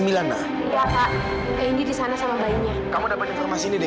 kayaknya disana sama bayinya